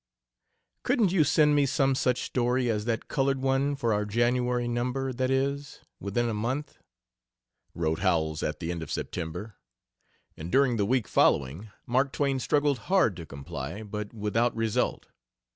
"Couldn't you send me some such story as that colored one for our January number that is, within a month?" wrote Howells, at the end of September, and during the week following Mark Twain struggled hard to comply, but without result.